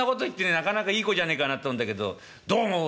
なかなかいい子じゃねえかなと思うんだけどどう思う？